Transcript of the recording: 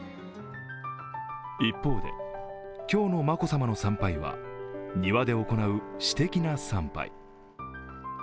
一方で、今日の眞子さまの参拝は庭で行う私的な参拝。